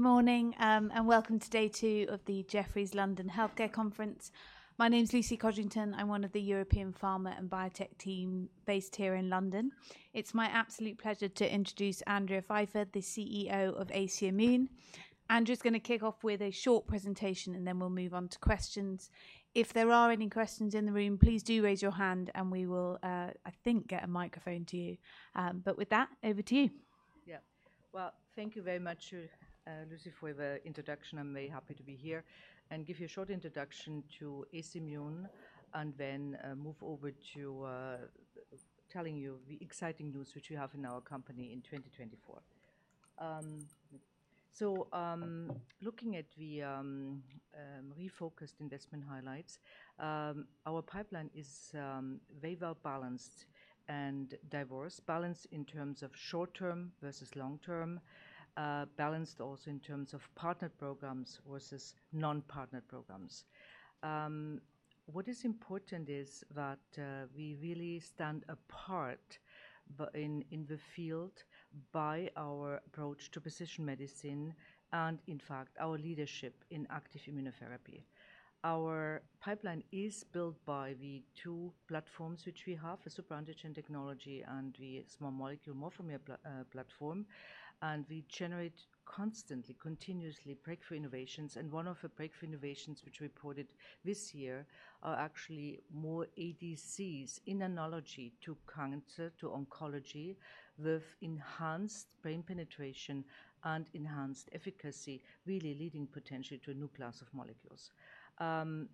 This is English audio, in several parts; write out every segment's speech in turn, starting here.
Good morning, and welcome to Day Two of the Jefferies London Healthcare Conference. My name is Lucy Codrington. I'm one of the European Pharma and Biotech team based here in London. It's my absolute pleasure to introduce Andrea Pfeifer, the CEO of AC Immune. Andrea is going to kick off with a short presentation, and then we'll move on to questions. If there are any questions in the room, please do raise your hand, and we will, I think, get a microphone to you. But with that, over to you. Yeah, well, thank you very much, Lucy, for the introduction. I'm very happy to be here and give you a short introduction to AC Immune, and then move over to telling you the exciting news which we have in our company in 2024, so looking at the refocused investment highlights, our pipeline is very well balanced and diverse, balanced in terms of short-term versus long-term, balanced also in terms of partnered programs versus non-partnered programs. What is important is that we really stand apart in the field by our approach to precision medicine and, in fact, our leadership in active immunotherapy. Our pipeline is built by the two platforms which we have, a SupraAntigen technology and the small molecule Morphomer platform, and we generate constantly, continuously, breakthrough innovations. One of the breakthrough innovations which we reported this year are actually more ADCs in analogy to cancer, to oncology, with enhanced brain penetration and enhanced efficacy, really leading potentially to a new class of molecules.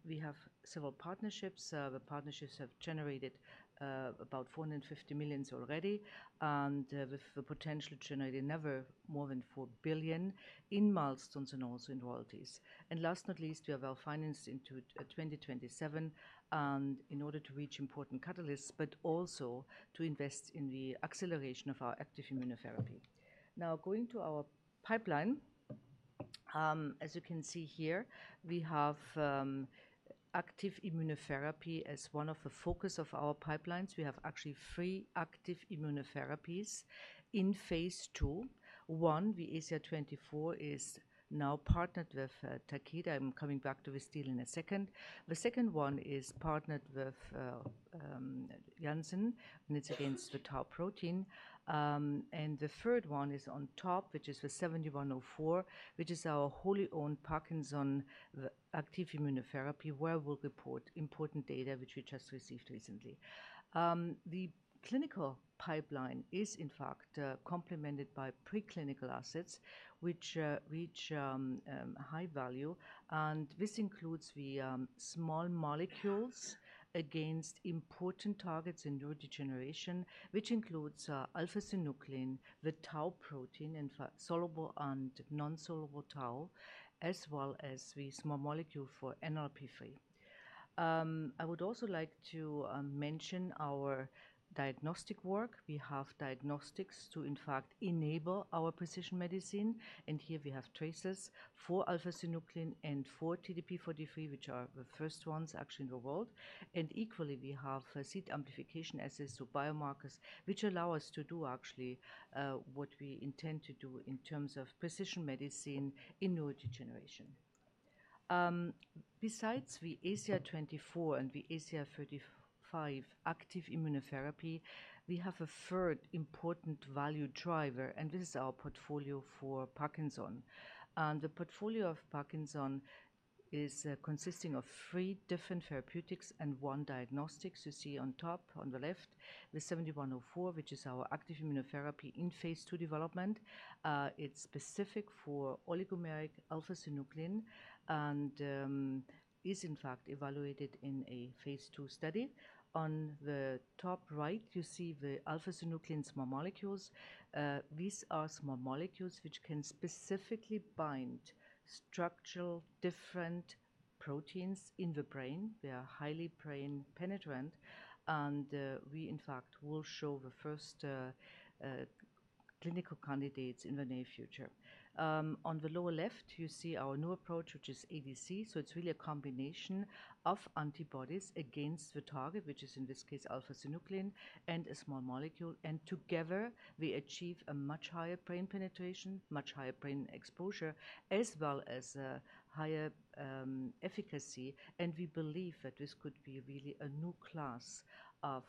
We have several partnerships. The partnerships have generated about $450 million already, and with the potential to generate another more than $4 billion in milestones and also in royalties. Last but not least, we have our finance into 2027 in order to reach important catalysts, but also to invest in the acceleration of our active immunotherapy. Now, going to our pipeline, as you can see here, we have active immunotherapy as one of the focuses of our pipelines. We have actually three active immunotherapies in phase II. One, the ACI-24, is now partnered with Takeda. I'm coming back to this deal in a second. The second one is partnered with Janssen, and it's against the Tau protein. And the third one is on top, which is the 7104, which is our wholly owned Parkinson active immunotherapy, where we'll report important data which we just received recently. The clinical pipeline is, in fact, complemented by preclinical assets which reach high value, and this includes the small molecules against important targets in neurodegeneration, which includes alpha-synuclein, the Tau protein, and soluble and insoluble Tau, as well as the small molecule for NLRP3. I would also like to mention our diagnostic work. We have diagnostics to, in fact, enable our precision medicine. And here we have tracers for alpha-synuclein and for TDP-43, which are the first ones actually in the world. Equally, we have seed amplification assays, so biomarkers which allow us to do actually what we intend to do in terms of precision medicine in neurodegeneration. Besides the ACI-24 and the ACI-35 active immunotherapy, we have a third important value driver, and this is our portfolio for Parkinson's. The portfolio of Parkinson's is consisting of three different therapeutics and one diagnostic you see on top on the left, the ACI-7104, which is our active immunotherapy in phase 2 development. It's specific for oligomeric alpha-synuclein and is, in fact, evaluated in a phase 2 study. On the top right, you see the alpha-synuclein small molecules. These are small molecules which can specifically bind structural different proteins in the brain. They are highly brain-penetrant, and we, in fact, will show the first clinical candidates in the near future. On the lower left, you see our new approach, which is ADC. So it's really a combination of antibodies against the target, which is in this case alpha-synuclein, and a small molecule. And together, we achieve a much higher brain penetration, much higher brain exposure, as well as higher efficacy. And we believe that this could be really a new class of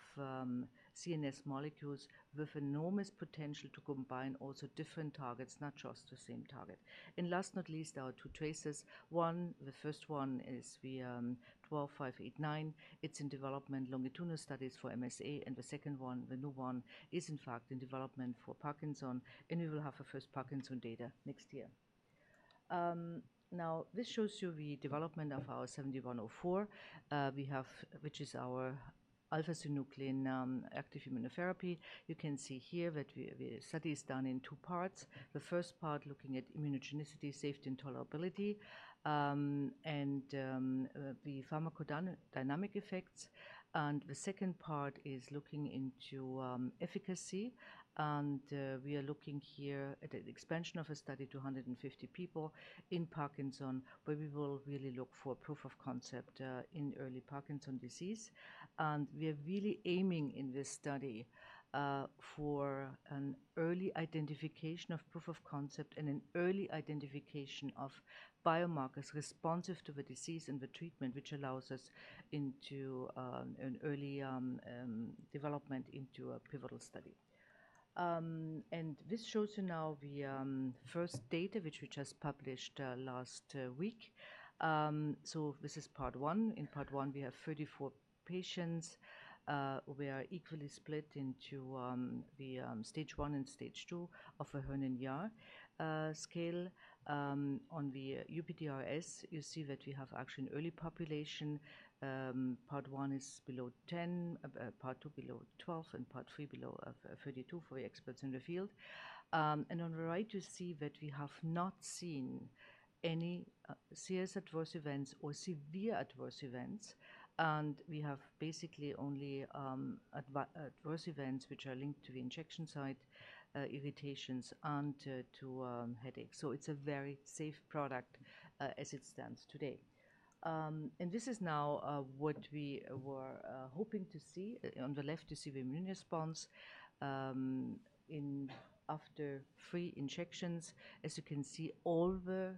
CNS molecules with enormous potential to combine also different targets, not just the same target. And last but not least, our two tracers. One, the first one is the 12589. It's in development, longitudinal studies for MSA. And the second one, the new one, is, in fact, in development for Parkinson. And we will have our first Parkinson data next year. Now, this shows you the development of our 7104, which is our alpha-synuclein active immunotherapy. You can see here that the study is done in two parts. The first part looking at immunogenicity, safety, and tolerability, and the pharmacodynamic effects, and the second part is looking into efficacy, and we are looking here at the expansion of a study to 150 people in Parkinson's, where we will really look for proof of concept in early Parkinson's disease, and we are really aiming in this study for an early identification of proof of concept and an early identification of biomarkers responsive to the disease and the treatment, which allows us into an early development into a pivotal study, and this shows you now the first data, which we just published last week, so this is part one. In part one, we have 34 patients. We are equally split into the stage one and stage two of a Hoehn and Yahr scale. On the UPDRS, you see that we have actually an early population. Part one is below 10, part two below 12, and part three below 32 for the experts in the field. And on the right, you see that we have not seen any serious adverse events or severe adverse events. And we have basically only adverse events which are linked to the injection site irritations and to headaches. So it's a very safe product as it stands today. And this is now what we were hoping to see. On the left, you see the immune response after three injections. As you can see, all the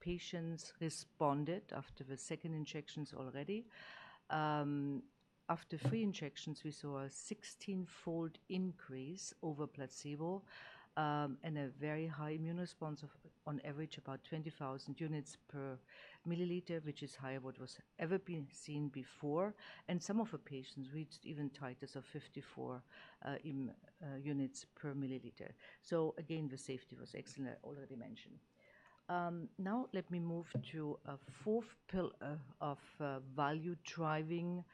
patients responded after the second injections already. After three injections, we saw a 16-fold increase over placebo and a very high immune response of, on average, about 20,000 units per milliliter, which is higher than what was ever been seen before. And some of the patients reached even titers of 54 units per milliliter. So again, the safety was excellent, already mentioned. Now, let me move to a fourth pillar of value-driving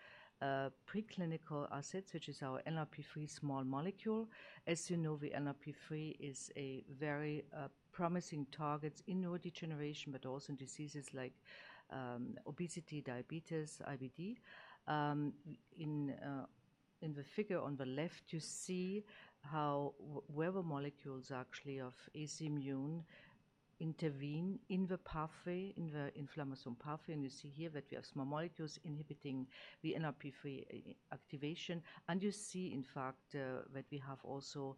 preclinical assets, which is our NLRP3 small molecule. As you know, the NLRP3 is a very promising target in neurodegeneration, but also in diseases like obesity, diabetes, IBD. In the figure on the left, you see how our small molecules actually of AC Immune intervene in the pathway, in the inflammasome pathway. And you see here that we have small molecules inhibiting the NLRP3 activation. And you see, in fact, that we have also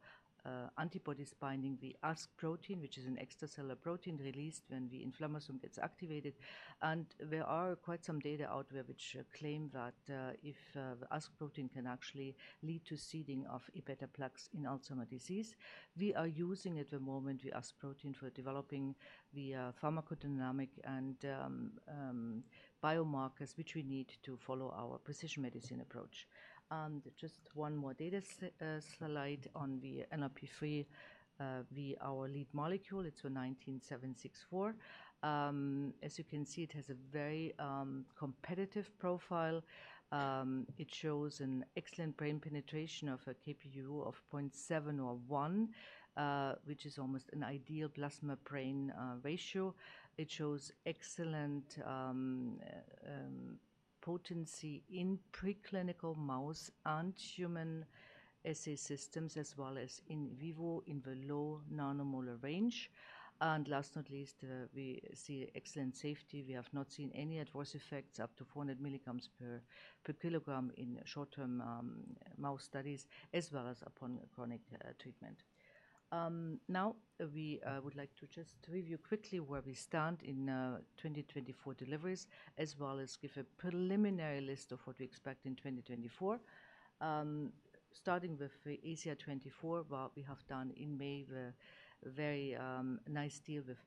antibodies binding the ASC protein, which is an extracellular protein released when the inflammasome gets activated. And there are quite some data out there which claim that if the ASC protein can actually lead to seeding of amyloid plaques in Alzheimer's disease. We are using at the moment the ASC protein for developing the pharmacodynamic and biomarkers which we need to follow our precision medicine approach. And just one more data slide on the NLRP3, our lead molecule, it's ACI-19764. As you can see, it has a very competitive profile. It shows an excellent brain penetration of a KPU of 0.7 or 1, which is almost an ideal plasma-brain ratio. It shows excellent potency in preclinical mouse and human assay systems, as well as in vivo in the low nanomolar range. And last but not least, we see excellent safety. We have not seen any adverse effects up to 400 milligrams per kilogram in short-term mouse studies, as well as upon chronic treatment. Now, we would like to just review quickly where we stand in 2024 deliveries, as well as give a preliminary list of what we expect in 2024. Starting with the ACI-24, what we have done in May, the very nice deal with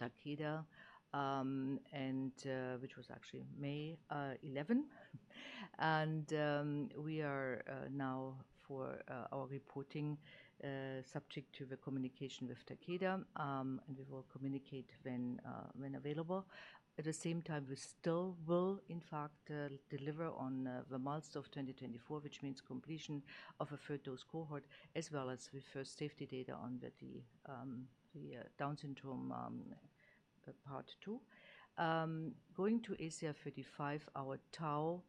Takeda, which was actually May 11. We are now for our reporting subject to the communication with Takeda, and we will communicate when available. At the same time, we still will, in fact, deliver on the milestone of 2024, which means completion of a third-dose cohort, as well as the first safety data on the Down syndrome part two. Going to ACI-35, our Tau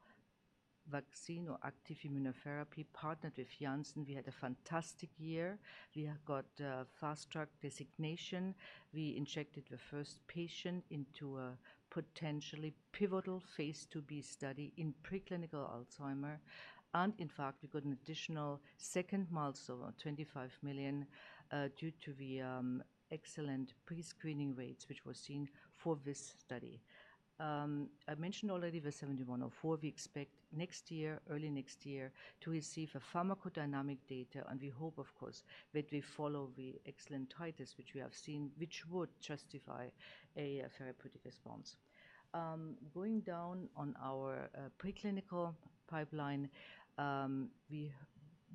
vaccine or active immunotherapy partnered with Janssen, we had a fantastic year. We got fast-track designation. We injected the first patient into a potentially pivotal phase 2b study in preclinical Alzheimer's. In fact, we got an additional second milestone of $25 million due to the excellent pre-screening rates which were seen for this study. I mentioned already the ACI-7104. We expect next year, early next year, to receive pharmacodynamic data. We hope, of course, that we follow the excellent titers which we have seen, which would justify a therapeutic response. Going down on our preclinical pipeline,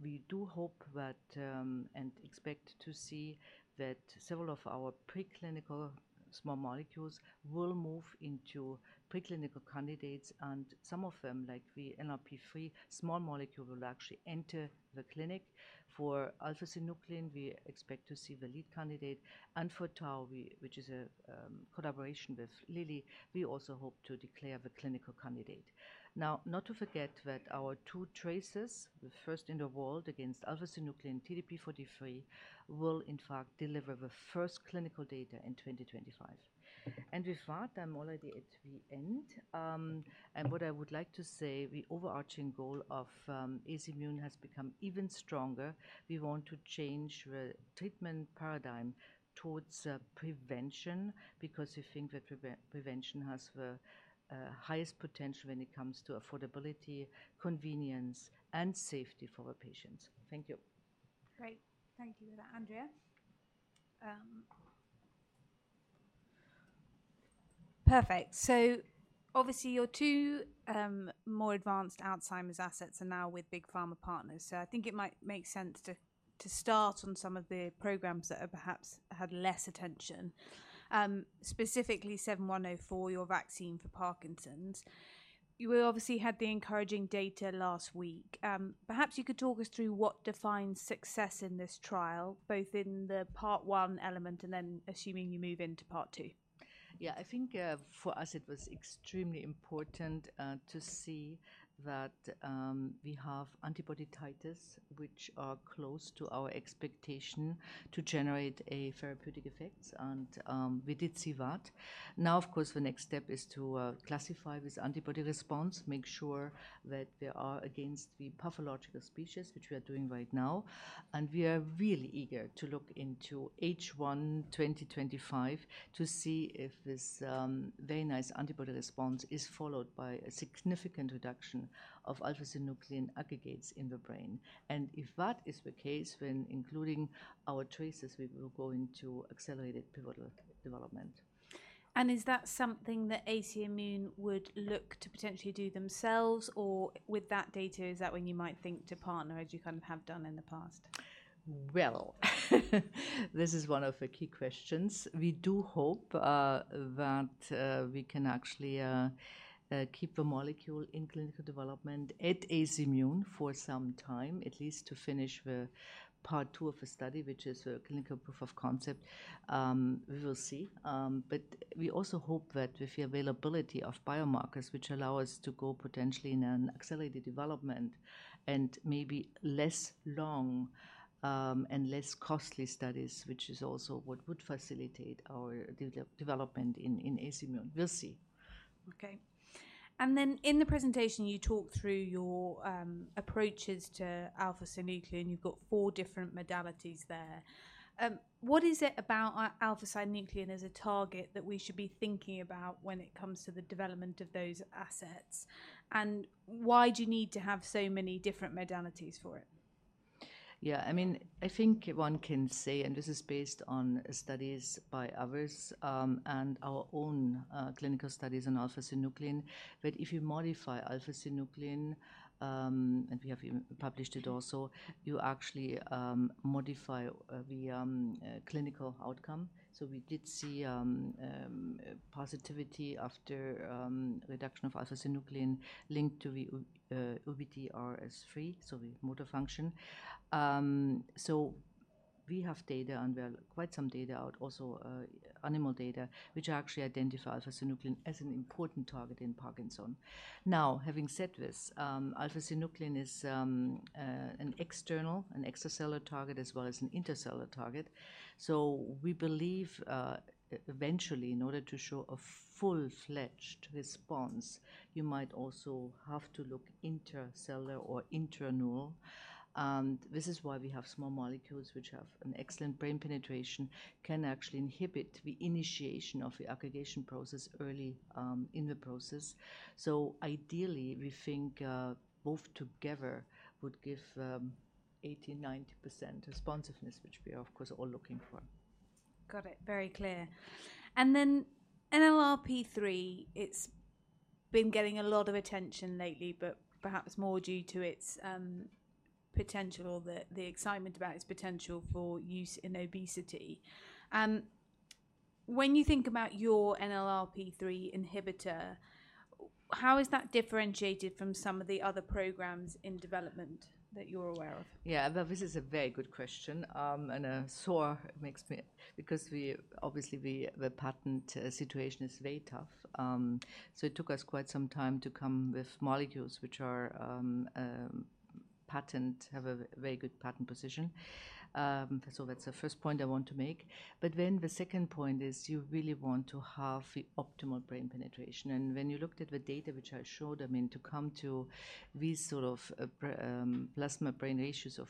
we do hope and expect to see that several of our preclinical small molecules will move into preclinical candidates. Some of them, like the NLRP3 small molecule, will actually enter the clinic. For alpha-synuclein, we expect to see the lead candidate. For Tau, which is a collaboration with Lilly, we also hope to declare the clinical candidate. Now, not to forget that our two tracers, the first in the world against alpha-synuclein and TDP-43, will, in fact, deliver the first clinical data in 2025. With that, I'm already at the end. What I would like to say, the overarching goal of AC Immune has become even stronger. We want to change the treatment paradigm towards prevention because we think that prevention has the highest potential when it comes to affordability, convenience, and safety for our patients. Thank you. Great. Thank you for that, Andrea. Perfect. So obviously, your two more advanced Alzheimer's assets are now with big pharma partners. So I think it might make sense to start on some of the programs that have perhaps had less attention, specifically 7104, your vaccine for Parkinson's. You obviously had the encouraging data last week. Perhaps you could talk us through what defines success in this trial, both in the part one element and then assuming you move into part two. Yeah, I think for us, it was extremely important to see that we have antibody titers which are close to our expectation to generate a therapeutic effect. And we did see that. Now, of course, the next step is to classify this antibody response, make sure that we are against the pathological species which we are doing right now. And we are really eager to look into H1 2025 to see if this very nice antibody response is followed by a significant reduction of alpha-synuclein aggregates in the brain. And if that is the case, when including our tracers, we will go into accelerated pivotal development. And is that something that AC Immune would look to potentially do themselves? Or with that data, is that when you might think to partner, as you kind of have done in the past? This is one of the key questions. We do hope that we can actually keep the molecule in clinical development at AC Immune for some time, at least to finish the part two of the study, which is a clinical proof of concept. We will see. But we also hope that with the availability of biomarkers which allow us to go potentially in an accelerated development and maybe less long and less costly studies, which is also what would facilitate our development in AC Immune. We'll see. Okay. And then in the presentation, you talk through your approaches to alpha-synuclein. You've got four different modalities there. What is it about alpha-synuclein as a target that we should be thinking about when it comes to the development of those assets? And why do you need to have so many different modalities for it? Yeah, I mean, I think one can say, and this is based on studies by others and our own clinical studies on alpha-synuclein, that if you modify alpha-synuclein, and we have published it also, you actually modify the clinical outcome. So we did see positivity after reduction of alpha-synuclein linked to the UPDRS3, so the motor function. So we have data, and there are quite some data out, also animal data, which actually identify alpha-synuclein as an important target in Parkinson's. Now, having said this, alpha-synuclein is an external, an extracellular target, as well as an intracellular target. So we believe eventually, in order to show a full-fledged response, you might also have to look intracellular or internal. And this is why we have small molecules which have an excellent brain penetration, can actually inhibit the initiation of the aggregation process early in the process. Ideally, we think both together would give 80%-90% responsiveness, which we are, of course, all looking for. Got it. Very clear, and then NLRP3, it's been getting a lot of attention lately, but perhaps more due to its potential, the excitement about its potential for use in obesity. When you think about your NLRP3 inhibitor, how is that differentiated from some of the other programs in development that you're aware of? Yeah, this is a very good question. And I saw, it makes me, because obviously, the patent situation is very tough. So it took us quite some time to come with molecules which are patentable, have a very good patent position. So that's the first point I want to make. But then the second point is you really want to have the optimal brain penetration. And when you looked at the data which I showed, I mean, to come to these sort of plasma-brain ratios of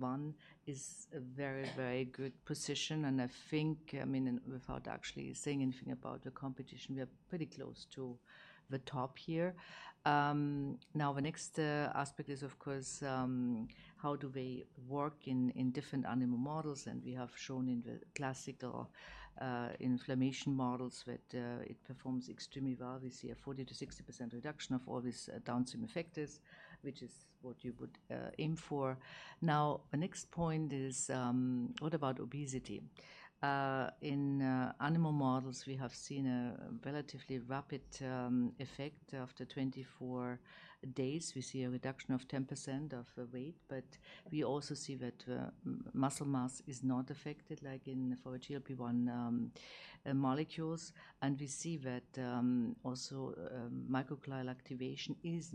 one is a very, very good position. And I think, I mean, without actually saying anything about the competition, we are pretty close to the top here. Now, the next aspect is, of course, how do they work in different animal models? And we have shown in the classical inflammation models that it performs extremely well. We see a 40%-60% reduction of all these downstream effectors, which is what you would aim for. Now, the next point is what about obesity? In animal models, we have seen a relatively rapid effect. After 24 days, we see a reduction of 10% of weight. But we also see that muscle mass is not affected, like in for the GLP-1 molecules, and we see that also microglial activation is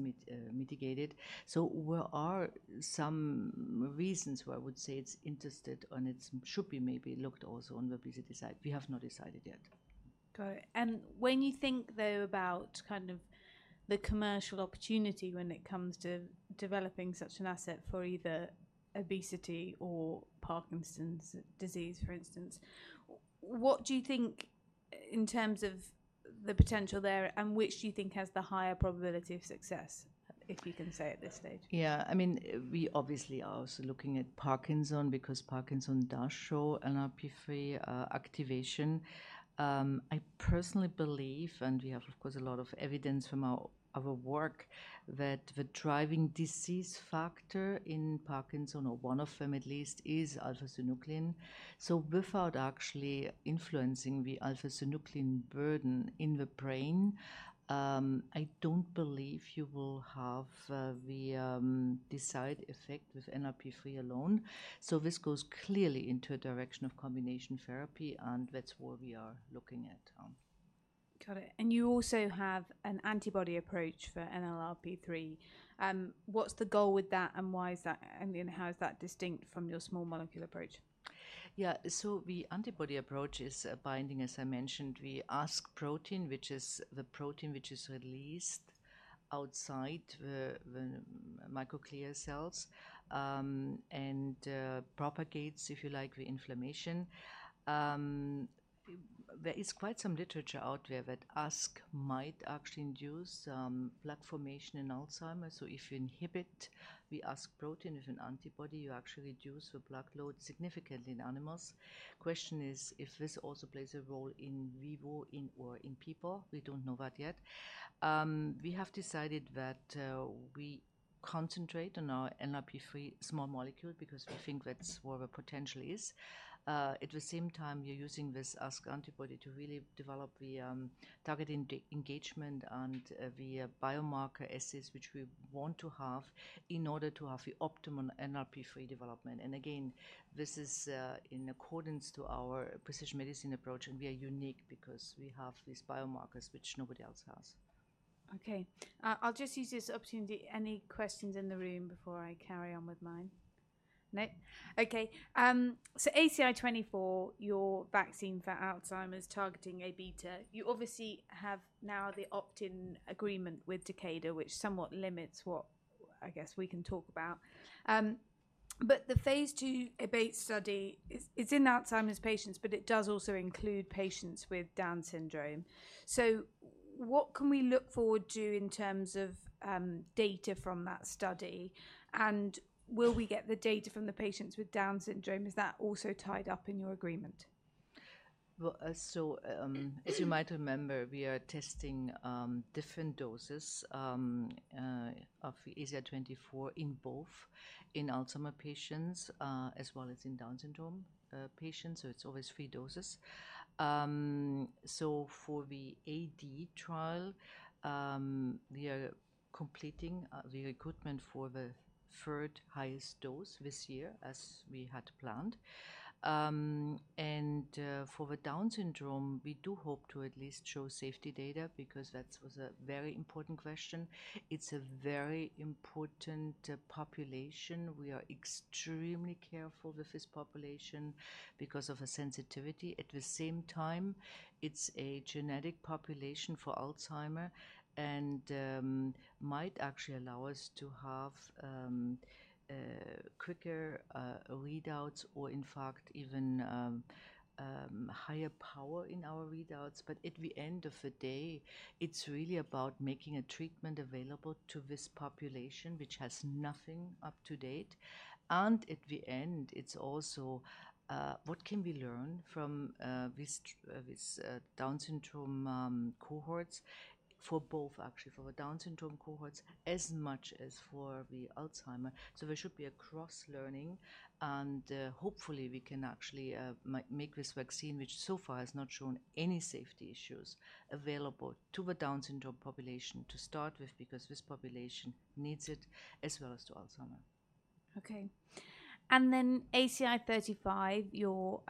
mitigated, so there are some reasons where I would say it's interesting, and it should be maybe looked also on the obesity side. We have not decided yet. Got it. And when you think, though, about kind of the commercial opportunity when it comes to developing such an asset for either obesity or Parkinson's disease, for instance, what do you think in terms of the potential there, and which do you think has the higher probability of success, if you can say at this stage? Yeah, I mean, we obviously are also looking at Parkinson's because Parkinson's does show NLRP3 activation. I personally believe, and we have, of course, a lot of evidence from our work, that the driving disease factor in Parkinson's, or one of them at least, is alpha-synuclein. So without actually influencing the alpha-synuclein burden in the brain, I don't believe you will have the side effect with NLRP3 alone. So this goes clearly into a direction of combination therapy, and that's what we are looking at. Got it. And you also have an antibody approach for NLRP3. What's the goal with that, and why is that, and how is that distinct from your small molecule approach? Yeah, so the antibody approach is binding, as I mentioned. The ASC protein, which is the protein which is released outside the microglia cells and propagates, if you like, the inflammation. There is quite some literature out there that ASC might actually induce plaque formation in Alzheimer's. So if you inhibit the ASC protein with an antibody, you actually reduce the plaque load significantly in animals. The question is if this also plays a role in vivo or in people. We don't know that yet. We have decided that we concentrate on our NLRP3 small molecule because we think that's where the potential is. At the same time, we're using this ASC antibody to really develop the target engagement and the biomarker assays which we want to have in order to have the optimal NLRP3 development. Again, this is in accordance with our precision medicine approach, and we are unique because we have these biomarkers which nobody else has. Okay. I'll just use this opportunity. Any questions in the room before I carry on with mine? No? Okay. So ACI-24, your vaccine for Alzheimer's targeting Aβ. You obviously have now the opt-in agreement with Takeda, which somewhat limits what, I guess, we can talk about. But the phase 2 ABATE study, it's in Alzheimer's patients, but it does also include patients with Down syndrome. So what can we look forward to in terms of data from that study? And will we get the data from the patients with Down syndrome? Is that also tied up in your agreement? As you might remember, we are testing different doses of ACI-24 in both Alzheimer's patients as well as in Down syndrome patients. It's always three doses. For the AD trial, we are completing the recruitment for the third highest dose this year, as we had planned. For the Down syndrome, we do hope to at least show safety data because that was a very important question. It's a very important population. We are extremely careful with this population because of the sensitivity. At the same time, it's a genetic population for Alzheimer's and might actually allow us to have quicker readouts or, in fact, even higher power in our readouts. But at the end of the day, it's really about making a treatment available to this population, which has nothing up to date. At the end, it's also what can we learn from these Down syndrome cohorts for both, actually, for the Down syndrome cohorts as much as for the Alzheimer's. There should be a cross-learning, and hopefully, we can actually make this vaccine, which so far has not shown any safety issues, available to the Down syndrome population to start with because this population needs it, as well as to Alzheimer's. Okay. And then ACI-35, your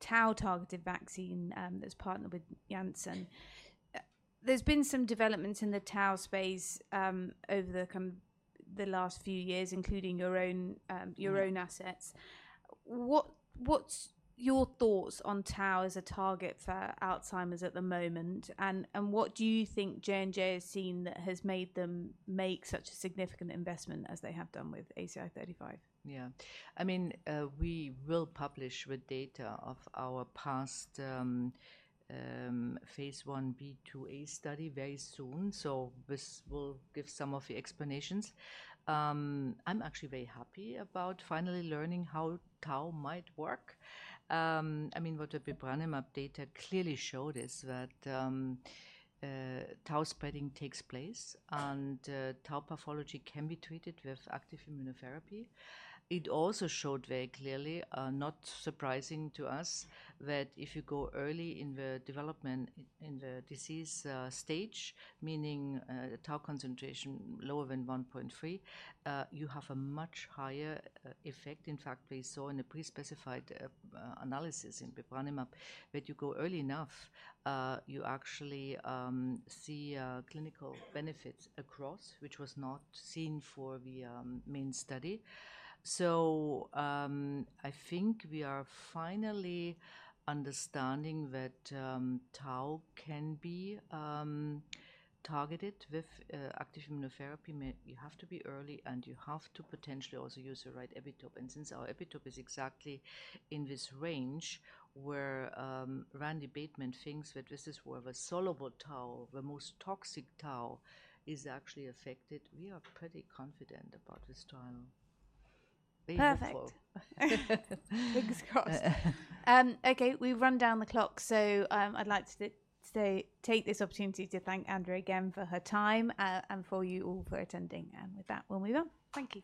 Tau-targeted vaccine that's partnered with Janssen. There's been some developments in the Tau space over the last few years, including your own assets. What's your thoughts on Tau as a target for Alzheimer's at the moment? And what do you think J&J has seen that has made them make such a significant investment as they have done with ACI-35? Yeah. I mean, we will publish with data of our past phase I B2A study very soon. So this will give some of the explanations. I'm actually very happy about finally learning how Tau might work. I mean, what the Bepranemab updated clearly showed is that Tau spreading takes place, and Tau pathology can be treated with active immunotherapy. It also showed very clearly, not surprising to us, that if you go early in the development in the disease stage, meaning Tau concentration lower than 1.3, you have a much higher effect. In fact, we saw in a pre-specified analysis in Bepranemab that you go early enough, you actually see clinical benefits across, which was not seen for the main study. So I think we are finally understanding that Tau can be targeted with active immunotherapy. You have to be early, and you have to potentially also use the right epitope. And since our epitope is exactly in this range where Randy Bateman thinks that this is where the soluble Tau, the most toxic Tau, is actually affected, we are pretty confident about this trial. Perfect. Okay. We've run down the clock, so I'd like to take this opportunity to thank Andrea again for her time and for you all for attending. And with that, we'll move on. Thank you.